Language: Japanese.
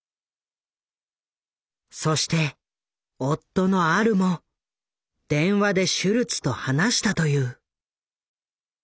そして夫のアルも電話でシュルツと話したという。